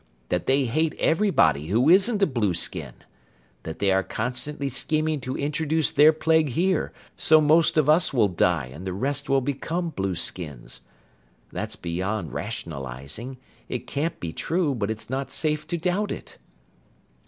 That they hate everybody who isn't a blueskin. That they are constantly scheming to introduce their plague here so most of us will die and the rest will become blueskins. That's beyond rationalizing. It can't be true, but it's not safe to doubt it."